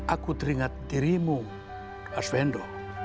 aku teringat dirimu arswendo